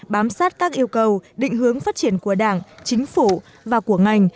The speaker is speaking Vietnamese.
bám sát các yêu cầu định hướng phát triển của đảng chính phủ và của ngành